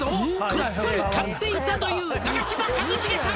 「こっそり買っていたという長嶋一茂さん」